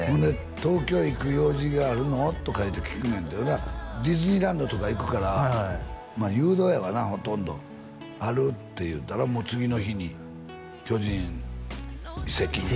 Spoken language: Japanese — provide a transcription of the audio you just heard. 「東京行く用事があるの？」とかいうて聞くねんてディズニーランドとか行くからまっ誘導やわなほとんど「ある」って言うたらもう次の日に巨人移籍あ